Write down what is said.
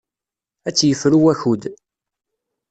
Ad tt-yefru wakud.